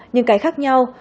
nhưng cái khác nhau